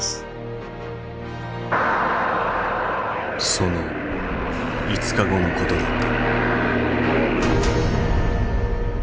その５日後の事だった。